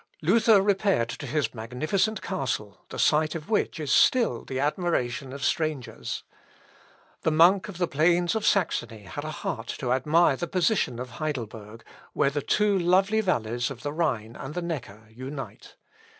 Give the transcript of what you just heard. Luther repaired to his magnificent castle, the site of which is still the admiration of strangers. The monk of the plains of Saxony had a heart to admire the position of Heidelberg, where the two lovely valleys of the Rhine and the Necker unite.